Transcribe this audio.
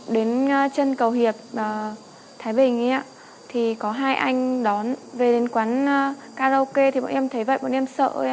đến trân cầu hiệp thái bình ý ạ thì có hai anh đón về đến quán karaoke thì bọn em thấy vậy bọn em sợ